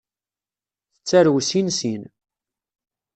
Tettarew sin sin.